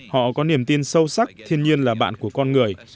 họ có niềm tin sâu sắc thiên nhiên là bạn của con người